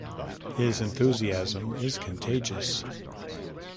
His enthusiasm is contagious.